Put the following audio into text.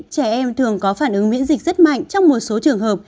trẻ em thường có phản ứng miễn dịch rất mạnh trong một số trường hợp